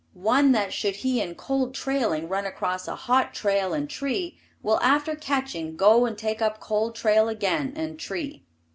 One that should he in cold trailing run across a hot trail and tree, will after catching go and take up cold trail again and tree.